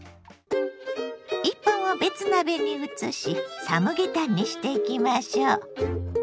１本を別鍋に移しサムゲタンにしていきましょう。